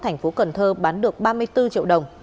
thành phố cần thơ bán được ba mươi bốn triệu đồng